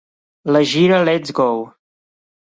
La gira Let's Go.